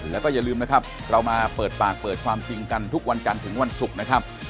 แล้วก็อย่าลืมนะครับเรามาเปิดปากเปิดความจริงกันทุกวันจันทร์ถึงวันศุกร์นะครับ